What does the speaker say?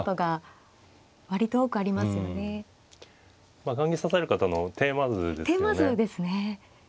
まあ雁木指される方のテーマ図ですよね。